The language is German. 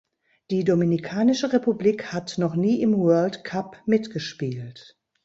Die Dominikanische Republik hat noch nie im World Cup mitgespielt.